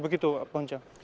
begitu pak honca